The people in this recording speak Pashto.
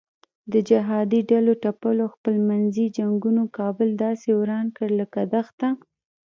د جهادي ډلو ټپلو خپل منځي جنګونو کابل داسې وران کړ لکه دښته.